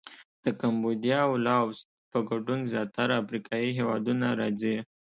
د کمبودیا او لاووس په ګډون زیاتره افریقایي هېوادونه راځي.